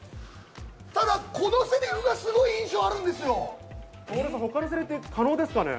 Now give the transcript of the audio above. ただこのセリフがすごい印象あるんですよ。